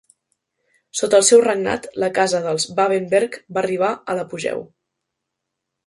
Sota el seu regnat la casa dels Babenberg va arribar a l'apogeu.